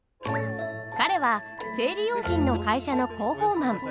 彼は生理用品の会社の広報マン。